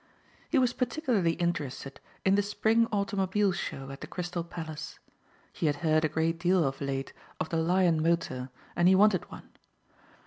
He was particularly interested in the Spring Automobile Show at the Crystal Palace. He had heard a great deal of late of the Lion motor and he wanted one.